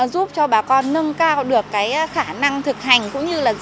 giúp cho bà con nâng cao được khả năng thực hành